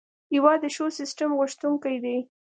هېواد د ښو سیسټم غوښتونکی دی.